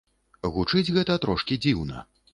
Гучыць гэта трошкі дзіўна.